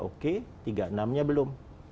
oke tiga enam nya belum